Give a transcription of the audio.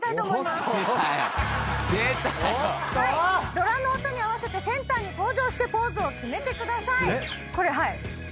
ドラの音に合わせてセンターに登場してポーズを決めてください。